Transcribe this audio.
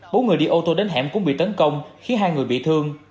bốn người đi ô tô đến hẻm cũng bị tấn công khiến hai người bị thương